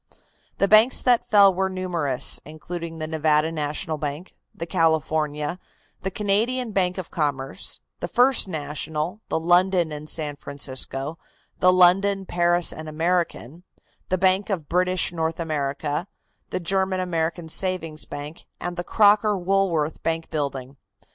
The banks that fell were numerous, including the Nevada National Bank, the California, the Canadian Bank of Commerce, the First National, the London and San Francisco, the London, Paris and American, the Bank of British North America, the German American Savings Bank and the Crocker Woolworth Bank building.